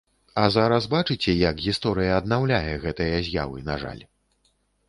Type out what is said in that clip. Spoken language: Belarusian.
А зараз бачыце як гісторыя аднаўляе гэтыя з'явы, на жаль.